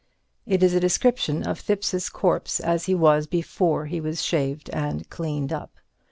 It is a description of Thipps's corpse as he was before he was shaved and cleaned up.